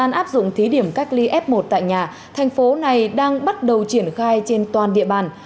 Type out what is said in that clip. trong thời gian áp dụng thí điểm cách ly f một tại nhà thành phố này đang bắt đầu triển khai trên toàn địa bàn